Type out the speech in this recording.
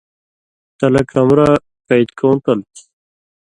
تلہ کمرہ کَئیتکَوں تل تھی؟